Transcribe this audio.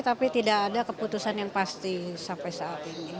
tapi tidak ada keputusan yang pasti sampai saat ini